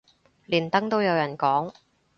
連登都有人講